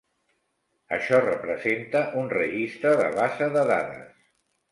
Això representa un registre de base de dades.